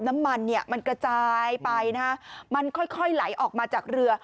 น้ำมันเนี่ยมันกระจายไปนะฮะมันค่อยไหลออกมาจากเรือ